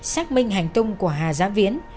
xác minh hành tung của hà giá viễn